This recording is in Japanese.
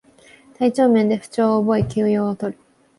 体調面で不調を覚え休養をとる